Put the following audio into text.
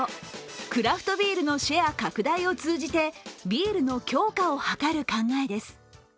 クラフトビールのシェア拡大を通じてビールの強化を図る考えです。